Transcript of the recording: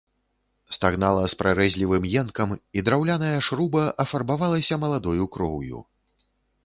Стагнала з прарэзлівым енкам, і драўляная шруба афарбавалася маладою кроўю.